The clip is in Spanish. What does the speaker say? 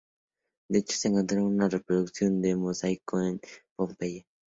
De hecho, se encontró una reproducción en mosaico en Pompeya.